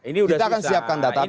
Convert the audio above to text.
kita akan siapkan data apbn